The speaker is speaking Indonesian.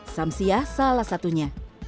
samsiah salah satunya